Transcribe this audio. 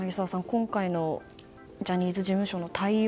今回のジャニーズ事務所の対応